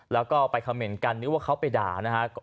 แล้วก็ไปคำเมนต์กันนึกว่าเขาไปด่านะฮะ